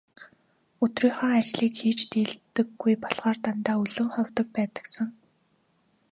Өдрийнхөө ажлыг хийж дийлдэггүй болохоор дандаа өлөн ховдог байдагсан.